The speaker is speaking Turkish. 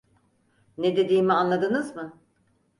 Ne dediğimi anladınız mı?